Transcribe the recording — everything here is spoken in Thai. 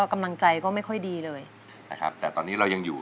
กำลังใจก็ไม่ค่อยดีเลยนะครับแต่ตอนนี้เรายังอยู่